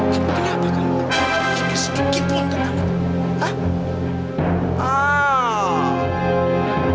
kamu kenapa kamu ingin sedikit sedikit untuk menangis